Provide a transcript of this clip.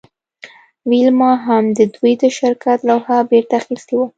ویلما هم د دوی د شرکت لوحه بیرته اخیستې وه